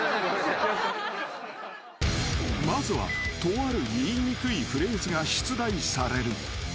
［まずはとある言いにくいフレーズが出題される］